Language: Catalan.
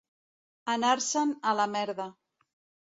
Anar-se'n a la merda.